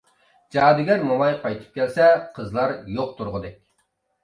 جادۇگەر موماي قايتىپ كەلسە، قىزلار يوق تۇرغۇدەك.